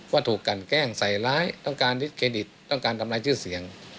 ถูกกันแกล้งใส่ร้ายต้องการดิสเครดิตต้องการทำลายชื่อเสียง